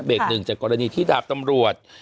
หนึ่งจากกรณีที่ดาบตำรวจ